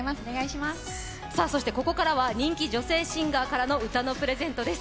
そしてここからは人気女性シンガーからの歌のプレゼントです。